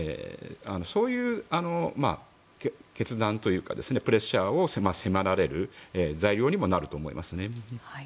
そういう決断、プレッシャーを迫られる材料にもなると思いますね。